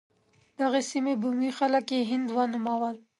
دغې سیمې بومي خلک یې هند ونومول.